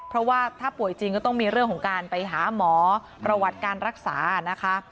เพราะว่าถ้าป่วยจริงก็ต้องมีเรื่องของการไปหาหมอประวัติการรักษานะคะ